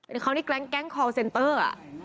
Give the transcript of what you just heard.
เป็นครั้วนี้แก๊งคอลเซนเตอร์